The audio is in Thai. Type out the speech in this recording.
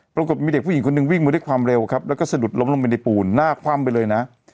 ปรากฏมีเด็กผู้หญิงคนหนึ่งวิ่งมาด้วยความเร็วครับแล้วก็สะดุดล้มลงไปในปูนหน้าคว่ำไปเลยนะ